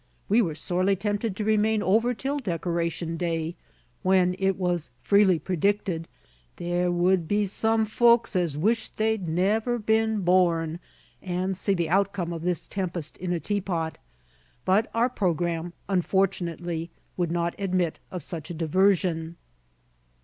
We were sorely tempted to remain over till Decoration Day, when, it was freely predicted, there "would be some folks as'd wish they'd never been born," and see the outcome of this tempest in a teapot. But our programme, unfortunately, would not admit of such a diversion.